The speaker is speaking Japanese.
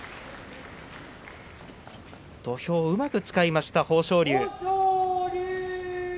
土俵をうまく使いました豊昇龍。